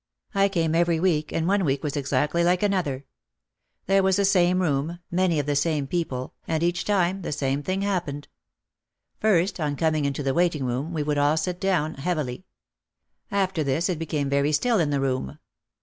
I came every week and one week was exactly like another. There was the same room, many of the same people, and each time the OUT OF THE SHADOW 185 same thing happened. First, on coming into the waiting room, we would all sit down, heavily. After this it be came very still in the room.